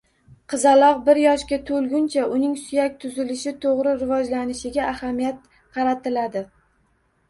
Qizaloq bir yoshga to‘lguncha uning suyak tuzilishi to‘g‘ri rivojlanishiga ahamiyat qaratiladi.